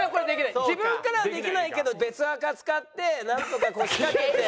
自分からはできないけど別アカ使ってなんとか仕掛けて。